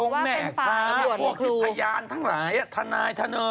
โอ้แม่คะพวกผิดพยานทั้งหลายทานายทานอย